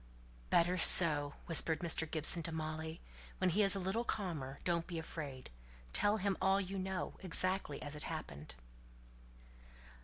"Better so!" whispered Mr. Gibson to Molly. "When he's a little calmer, don't be afraid; tell him all you know, exactly as it happened."